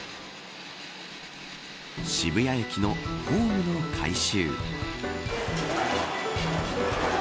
渋谷駅のホームの改修。